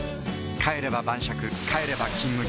帰れば晩酌帰れば「金麦」